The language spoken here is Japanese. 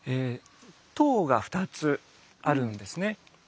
塔が２つあるんですね。